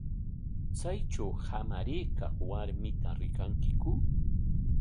¿Chaytraw hamaraykaq warmita rikankiku?